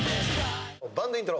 バンドイントロ。